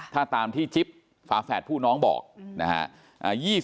ถ้าตามที่จิ๊บฝาแฝดผู้น้องบอกนะฮะ